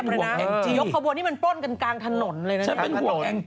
ยกวัวนี่มันปล้นกันกลางถนนเลย